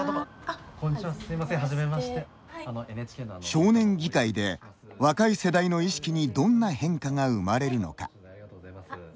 少年議会で若い世代の意識にどんな変化が生まれるのか。